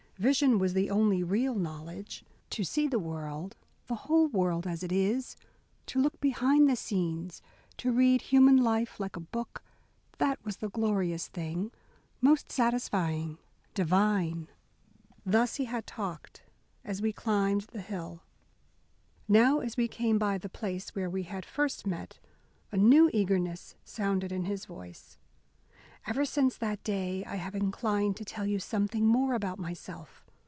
Vision was the only real knowledge. To see the world, the whole world, as it is, to look behind the scenes, to read human life like a book, that was the glorious thing most satisfying, divine. Thus he had talked as we climbed the hill. Now, as we came by the place where we had first met, a new eagerness sounded in his voice. "Ever since that day I have inclined to tell you something more about myself.